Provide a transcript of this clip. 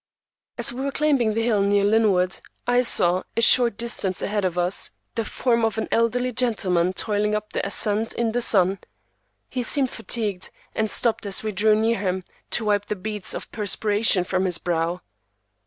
As we were climbing the hill near Linwood, I saw, a short distance ahead of us, the form of an elderly gentleman toiling up the ascent in the sun. He seemed fatigued, and stopped as we drew near him, to wipe the beads of perspiration from his brow.